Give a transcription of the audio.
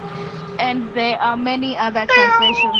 And there are many other translations.